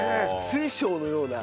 水晶のような。